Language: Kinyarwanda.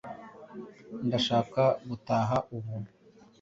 Ndashaka gutaha ubu.